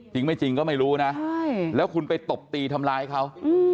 จริงไม่จริงก็ไม่รู้นะแล้วคุณไปตบตีทำร้ายเขา